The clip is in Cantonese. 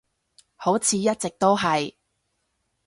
好似一直都係